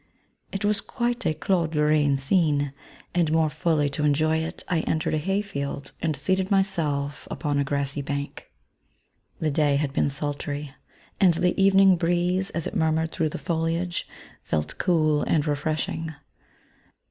It was quite a Claude Lorraine scene ; and more fully to en joy it, I entered a hay field, and seated myself upon a grassy bank. The day had been sultry ; and the evening breeze, as it murmured through the foliage, felt cool and refreshing.